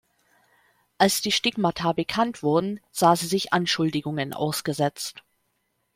Als die Stigmata bekannt wurden, sah sie sich Anschuldigungen ausgesetzt.